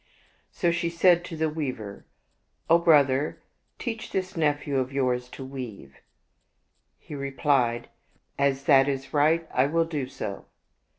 So she said to the weaver, "O brother, teach this nephew of yours to weave." He replied, " As that is right, I will do so."